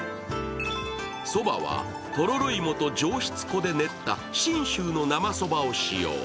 そばは、とろろ芋と上質粉で練った信州の生そばを使用。